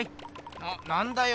ななんだよ。